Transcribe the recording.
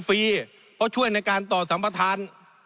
เพราะช่วยในการต่อสัมปทาน